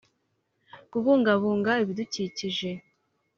Kubungabunga Ibidukikije.